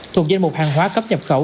thuộc danh mục hàng hóa cấp nhập khẩu